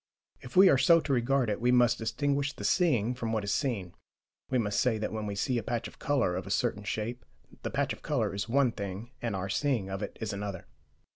If we are so to regard it, we must distinguish the seeing from what is seen: we must say that, when we see a patch of colour of a certain shape, the patch of colour is one thing and our seeing of it is another.